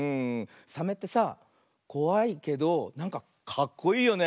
サメってさこわいけどなんかかっこいいよね。